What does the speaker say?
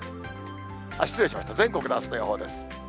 失礼しました、全国のあすの予報です。